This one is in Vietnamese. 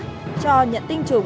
b cho nhận tinh trùng